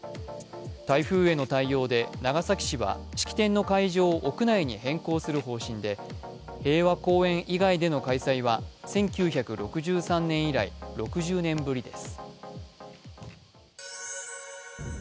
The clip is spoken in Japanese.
台風への対応で長崎市は式典の会場を屋内に変更する方針で平和公園以外での開催は１９６３年以来６０年ぶりです。